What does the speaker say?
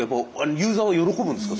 ユーザーは喜ぶんですか？